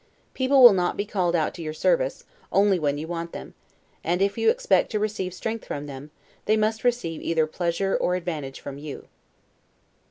People will not be called out to your service, only when you want them; and, if you expect to receive strength from them, they must receive either pleasure or advantage from you.